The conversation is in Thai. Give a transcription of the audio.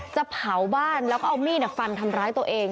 จะเผาบ้านแล้วก็เอามีดฟันทำร้ายตัวเอง